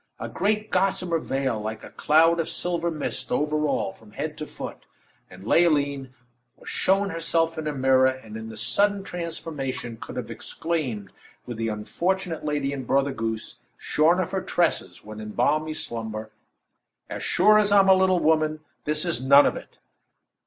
A great gossamer veil like a cloud of silver mist over all, from head to foot; and Leoline was shown herself in a mirror, and in the sudden transformation, could have exclaimed, with the unfortunate lady in Mother Goose, shorn of her tresses when in balmy slumber: "As sure as I'm a little woman, this is none of it!"